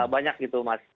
banyak gitu mas